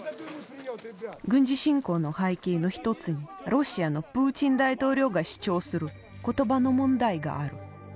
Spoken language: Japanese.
軍事侵攻の背景の一つにロシアのプーチン大統領が主張する言葉の問題がある。